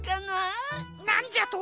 なんじゃと！